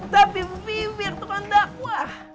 tapi bibir tukang dakwah